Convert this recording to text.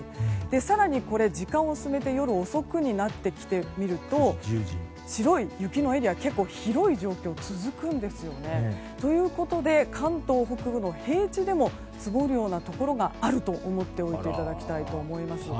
更にこれ、時間を進めて夜遅くになっていくと白い雪のエリアが広い状況が続くんですよね。ということで関東北部の平地でも積もるようなところがあると思っておいていただきたいと思います。